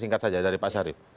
singkat saja dari pak syarif